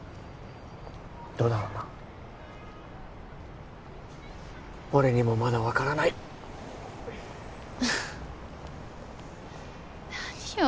どうだろうな俺にもまだわからないフッ何よ